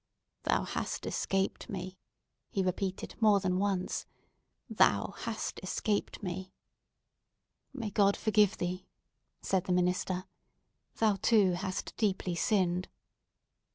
"Thou hast escaped me!" he repeated more than once. "Thou hast escaped me!" "May God forgive thee!" said the minister. "Thou, too, hast deeply sinned!"